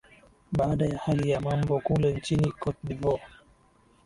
baada ya hali ya mambo kule nchini cote de voire